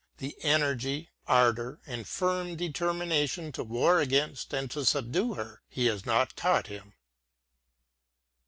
The energy, ar dour, and firm determination to war against and to subdue her, he has not taught him.